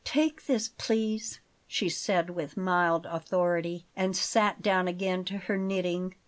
"Take this, please," she said with mild authority; and sat down again to her knitting.